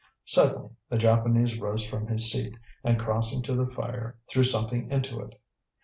Suddenly the Japanese rose from his seat, and, crossing to the fire, threw something into it.